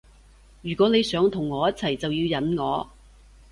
如果你想同我一齊就要忍我